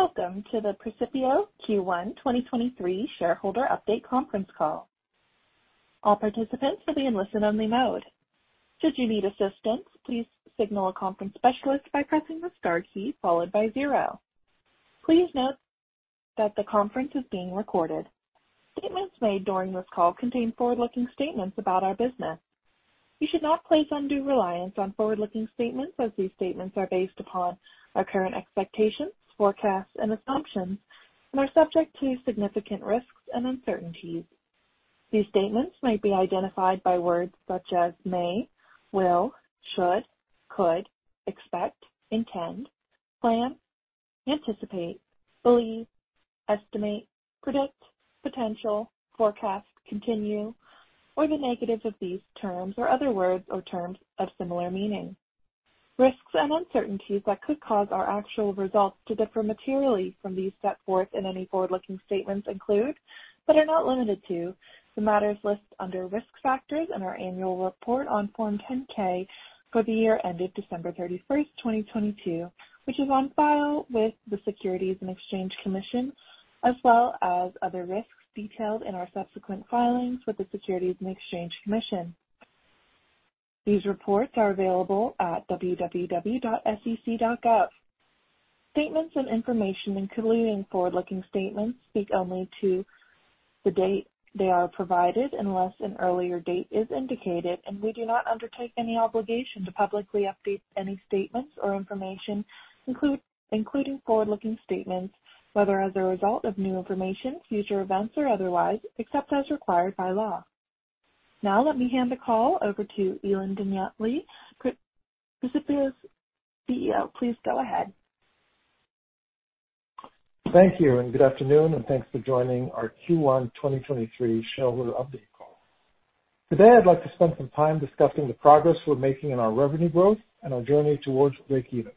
Welcome to the Precipio Q1 2023 shareholder update conference call. All participants will be in listen-only mode. Should you need assistance, please signal a conference specialist by pressing the star key followed by zero. Please note that the conference is being recorded. Statements made during this call contain forward-looking statements about our business. You should not place undue reliance on forward-looking statements as these statements are based upon our current expectations, forecasts, and assumptions and are subject to significant risks and uncertainties. These statements may be identified by words such as may, will, should, could, expect, intend, plan, anticipate, believe, estimate, predict, potential, forecast, continue, or the negative of these terms, or other words or terms of similar meaning. Risks and uncertainties that could cause our actual results to differ materially from these set forth in any forward-looking statements include, but are not limited to, the matters listed under Risk Factors in our annual report on Form 10-K for the year ended December 31st, 2022, which is on file with the Securities and Exchange Commission, as well as other risks detailed in our subsequent filings with the Securities and Exchange Commission. These reports are available at www.sec.gov. Statements and information including forward-looking statements speak only to the date they are provided, unless an earlier date is indicated, and we do not undertake any obligation to publicly update any statements or information including forward-looking statements, whether as a result of new information, future events, or otherwise, except as required by law. Now let me hand the call over to Ilan Danieli, Precipio's CEO. Please go ahead. Thank you good afternoon, and thanks for joining our Q1 2023 shareholder update call. Today I'd like to spend some time discussing the progress we're making in our revenue growth and our journey towards breakeven.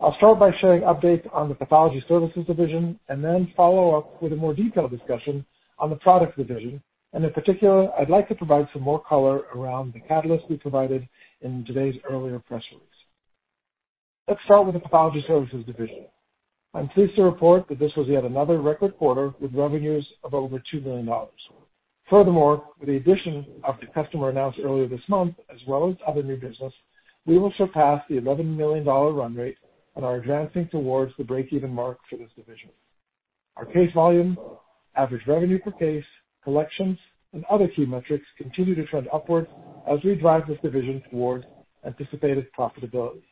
I'll start by sharing updates on the Pathology Services Division then follow up with a more detailed discussion on the Product Division. In particular, I'd like to provide some more color around the catalyst we provided in today's earlier press release. Let's start with the Pathology Services Division. I'm pleased to report that this was yet another record quarter with revenues of over $2 million. Furthermore, with the addition of the customer announced earlier this month, as well as other new business, we will surpass the $11 million run rate and are advancing towards the breakeven mark for this division. Our case volume, average revenue per case, collections, and other key metrics continue to trend upwards as we drive this division towards anticipated profitability.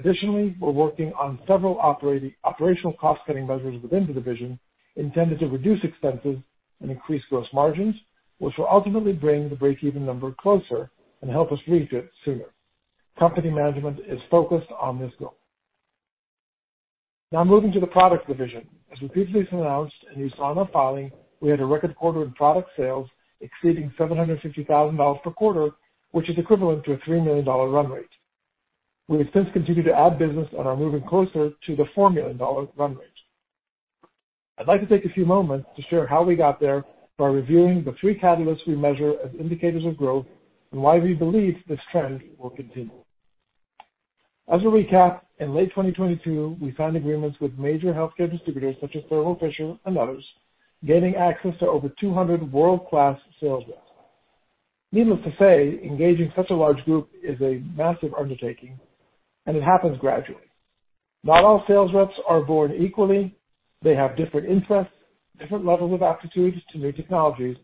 Additionally, we're working on several operational cost-cutting measures within the division intended to reduce expenses and increase gross margins, which will ultimately bring the breakeven number closer and help us reach it sooner. Company management is focused on this goal. Moving to the Product Division. As we previously announced in the recent filing, we had a record quarter in product sales exceeding $750,000 per quarter, which is equivalent to a $3 million run rate. We have since continued to add business and are moving closer to the $4 million run rate. I'd like to take a few moments to share how we got there by reviewing the three catalysts we measure as indicators of growth and why we believe this trend will continue. As a recap, in late 2022, we signed agreements with major healthcare distributors such as Thermo Fisher and others, gaining access to over 200 world-class sales reps. Needless to say, engaging such a large group is a massive undertaking, and it happens gradually. Not all sales reps are born equally. They have different interests, different levels of aptitude to new technologies,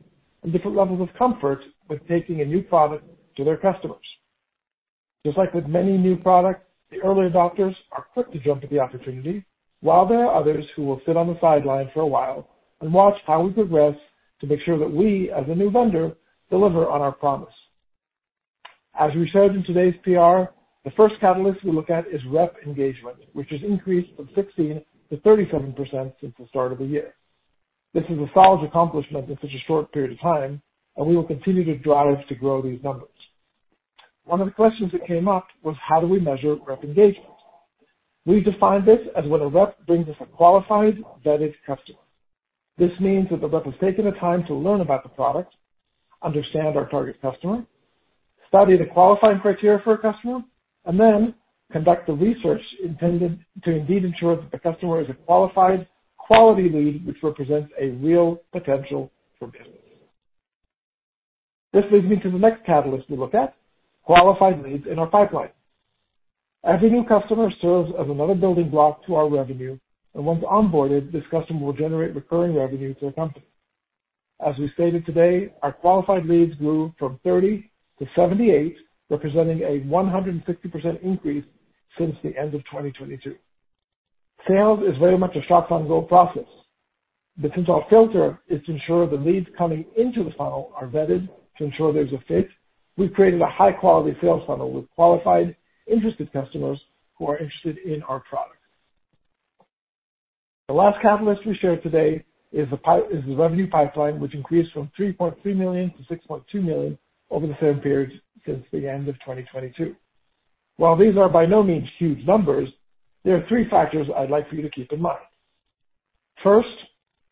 and different levels of comfort with taking a new product to their customers. Just like with many new products, the early adopters are quick to jump at the opportunity, while there are others who will sit on the sidelines for a while and watch how we progress to make sure that we, as a new vendor, deliver on our promise. As we showed in today's PR, the first catalyst we look at is rep engagement, which has increased from 16% to 37% since the start of the year. This is a solid accomplishment in such a short period of time. We will continue to drive to grow these numbers. One of the questions that came up was how do we measure rep engagement? We define this as when a rep brings us a qualified, vetted customer. This means that the rep has taken the time to learn about the product, understand our target customer, study the qualifying criteria for a customer, and then conduct the research intended to indeed ensure that the customer is a qualified, quality lead which represents a real potential for business. This leads me to the next catalyst we look at, qualified leads in our pipeline. Every new customer serves as another building block to our revenue, and once onboarded, this customer will generate recurring revenue to the company. As we stated today, our qualified leads grew from 30 to 78, representing a 160% increase since the end of 2022. Sales is very much a shot-on-goal process. Since our filter is to ensure the leads coming into the funnel are vetted to ensure there's a fit, we've created a high-quality sales funnel with qualified, interested customers who are interested in our products. The last catalyst we shared today is the revenue pipeline, which increased from $3.3 million to $6.2 million over the same period since the end of 2022. While these are by no means huge numbers, there are three factors I'd like for you to keep in mind. First,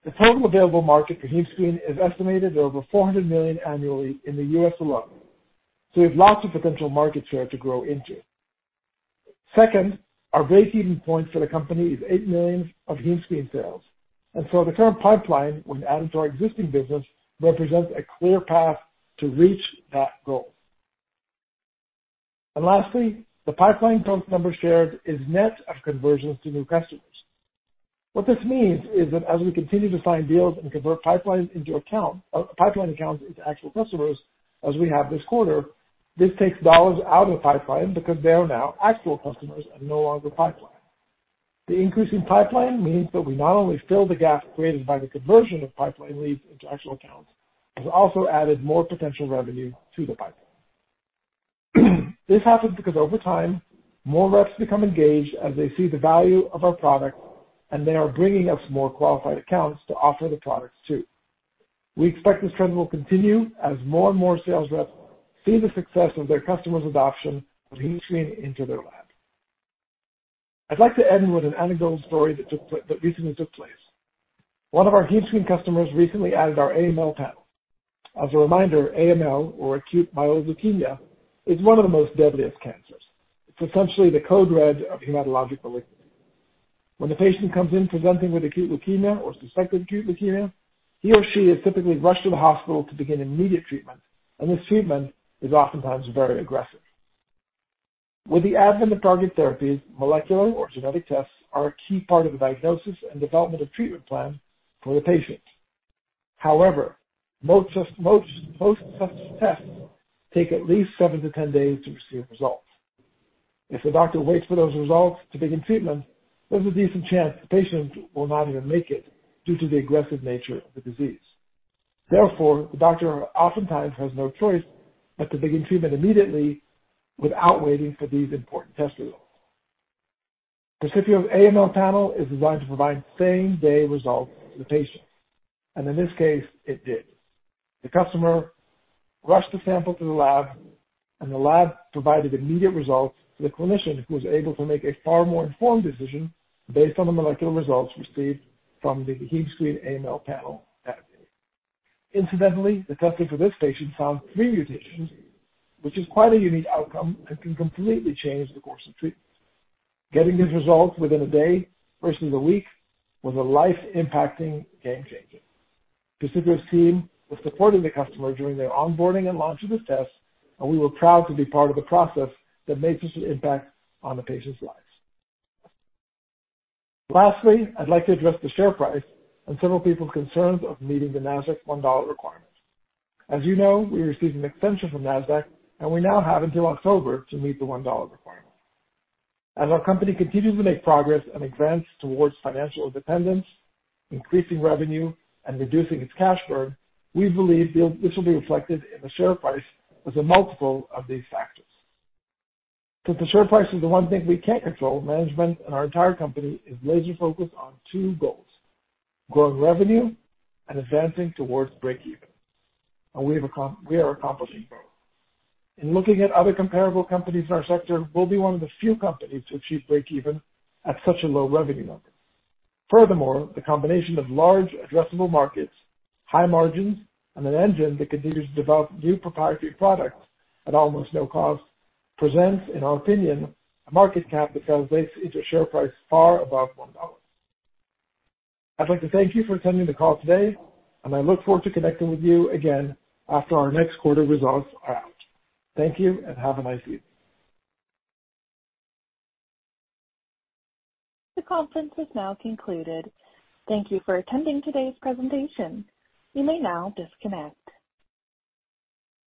the total available market for HemeScreen is estimated at over $400 million annually in the U.S. alone. We have lots of potential market share to grow into. Second, our breakeven point for the company is $8 million of HemeScreen sales. The current pipeline, when added to our existing business, represents a clear path to reach that goal. Lastly, the pipeline count number shared is net of conversions to new customers. What this means is that as we continue to sign deals and convert pipelines into pipeline accounts into actual customers, as we have this quarter, this takes dollars out of the pipeline because they are now actual customers and no longer pipeline. The increase in pipeline means that we not only fill the gap created by the conversion of pipeline leads into actual accounts, but also added more potential revenue to the pipeline. This happens because over time, more reps become engaged as they see the value of our products, and they are bringing us more qualified accounts to offer the products too. We expect this trend will continue as more and more sales reps see the success of their customers' adoption of HemeScreen into their lab. I'd like to end with an anecdotal story that recently took place. One of our HemeScreen customers recently added our AML Panel. As a reminder, AML, or acute myeloid leukemia, is one of the most deadliest cancers. It's essentially the code red of hematological leukemia. When the patient comes in presenting with acute leukemia or suspected acute leukemia, he or she is typically rushed to the hospital to begin immediate treatment. This treatment is oftentimes very aggressive. With the advent of targeted therapies, molecular or genetic tests are a key part of the diagnosis and development of treatment plan for the patient. However, most tests take at least seven to 10 days to receive results. If the doctor waits for those results to begin treatment, there's a decent chance the patient will not even make it due to the aggressive nature of the disease. Therefore, the doctor oftentimes has no choice but to begin treatment immediately without waiting for these important test results. Precipio's AML Panel is designed to provide same-day results to the patient. In this case, it did. The customer rushed the sample to the lab, and the lab provided immediate results to the clinician, who was able to make a far more informed decision based on the molecular results received from the HemeScreen AML Panel that day. Incidentally, the testing for this patient found three mutations, which is quite a unique outcome that can completely change the course of treatment. Getting these results within a day versus a week was a life-impacting game changer. Precipio's team was supporting the customer during their onboarding and launch of this test, and we were proud to be part of the process that made such an impact on the patients' lives. Lastly, I'd like to address the share price and several people's concerns of meeting the Nasdaq $1 requirement. As you know, we received an extension from Nasdaq, and we now have until October to meet the $1 requirement. As our company continues to make progress and advance towards financial independence, increasing revenue, and reducing its cash burn, we believe this will be reflected in the share price as a multiple of these factors. Since the share price is the one thing we can't control, management and our entire company is laser-focused on two goals: growing revenue and advancing towards breakeven. We are accomplishing both. In looking at other comparable companies in our sector, we'll be one of the few companies to achieve breakeven at such a low revenue number. Furthermore, the combination of large addressable markets, high margins, and an engine that continues to develop new proprietary products at almost no cost presents, in our opinion, a market cap that translates into share price far above $1. I'd like to thank you for attending the call today, and I look forward to connecting with you again after our next quarter results are out. Thank you, and have a nice week. The conference has now concluded. Thank you for attending today's presentation. You may now disconnect.